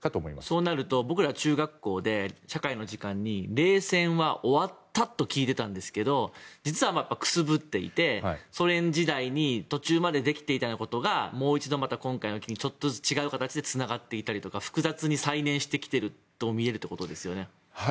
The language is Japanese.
そうなると僕らは中学校の社会の時間に冷戦は終わったと聞いていたんですけど実は、くすぶっていてソ連時代に途中までできていたようなことがもう一度、今回ちょっとずつ違う形でつながっていたりとか複雑に再燃してきているとみられるということですね。